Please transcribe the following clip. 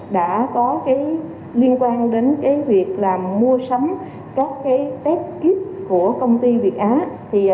đã có liên quan đến việc mua sắm các test kit của công ty việt á